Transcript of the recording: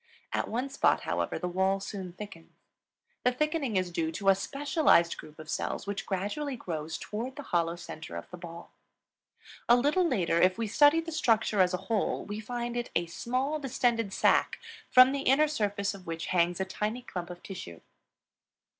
At one spot, however, the wall soon thickens. The thickening is due to a specialized group of cells which gradually grows toward the hollow center of the ball. A little later, if we study the structure as a whole, we find it a small, distended sac, from the inner surface of which hangs a tiny clump of tissue.